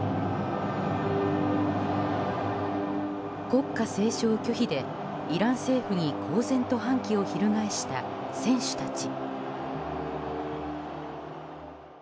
国歌斉唱拒否でイラン政府に公然と反旗を翻した選手たち。